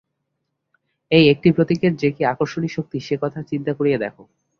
এই একটি প্রতীকের যে কি আকর্ষণী শক্তি, সে-কথা চিন্তা করিয়া দেখ।